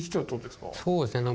そうですね。